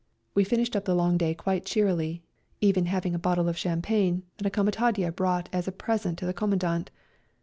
We finished up the long day quite cheerily, even having a bottle of champagne that a comitadje brought as a present to the Commandant.